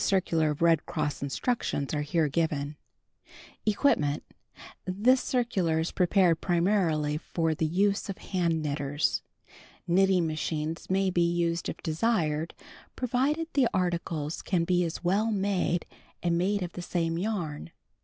CHAPTER XXXIX RED CROSS KNITTING* EQUIPMENT This circular is prepared primarily for the use of hand knitters. Knitting machines may be used if desired, provided the articles can be as well made and made of the same yarn.